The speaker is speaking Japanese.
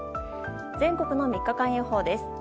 全国の３日間予報です。